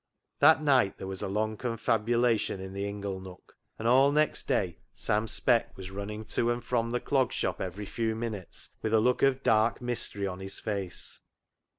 That night there was a long confabulation in the ingle nook, and all next day Sam Speck was running to and from the Clog Shop every few minutes with a look of dark mystery on his face.